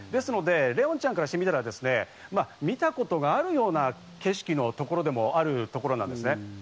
怜音ちゃんかしてみたら見たことがあるような景色のところでもあるところなんですね。